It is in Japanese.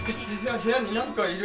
部屋になんかいる！